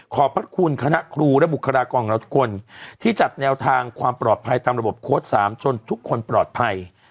ขอบพระคุณคณะครูและบุคลากรของเราทุกคนที่จัดแนวทางความปลอดภัยตามระบบโค้ด๓จนทุกคนปลอดภัย